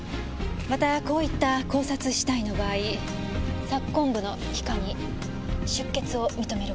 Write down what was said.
またこういった絞殺死体の場合策痕部の皮下に出血を認めることも。